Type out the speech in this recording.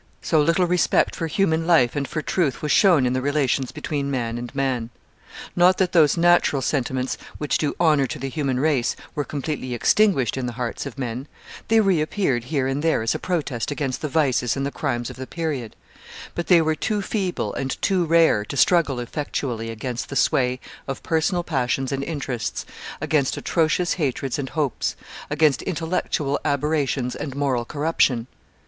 So little respect for human life and for truth was shown in the relations between man and man! Not that those natural sentiments, which do honor to the human race, were completely extinguished in the hearts of men; they reappeared here and there as a protest against the vices and the crimes of the period; but they were too feeble and too rare to struggle effectually against the sway of personal passions and interests, against atrocious hatreds and hopes, against intellectual aberrations and moral corruption.